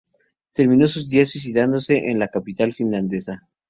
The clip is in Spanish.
Terminó sus días suicidándose en la capital finlandesa.